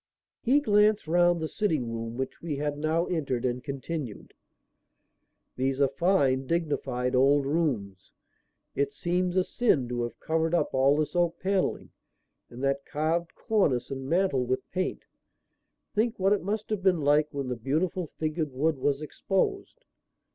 He glanced round the sitting room, which we had now entered, and continued: "These are fine, dignified old rooms. It seems a sin to have covered up all this oak panelling and that carved cornice and mantel with paint. Think what it must have been like when the beautiful figured wood was exposed."